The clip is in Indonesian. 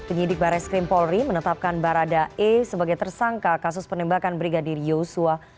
penyidik baris krim polri menetapkan barada e sebagai tersangka kasus penembakan brigadir yosua